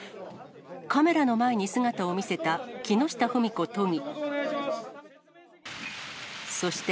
カメラの前に姿を見せた木下富美子都議。